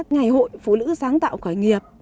ngày hội phụ nữ sáng tạo khởi nghiệp